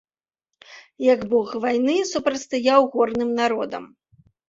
Як бог вайны, супрацьстаяў горным народам.